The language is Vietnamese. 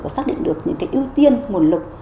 và xác định được những cái ưu tiên nguồn lực